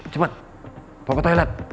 cepet bawa ke toilet